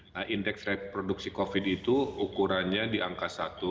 nah indeks reproduksi covid itu ukurannya di angka satu